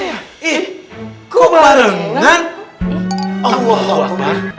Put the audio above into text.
ya ih kubarangan allah allah